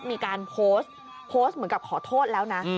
มีการโพสต์โพสต์เหมือนกับขอโทษแล้วนะ